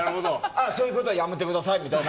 そういうことはやめてくださいみたいな。